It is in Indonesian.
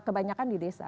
kebanyakan di desa